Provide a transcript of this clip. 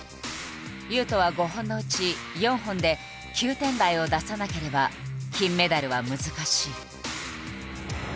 雄斗は５本のうち４本で９点台を出さなければ金メダルは難しい。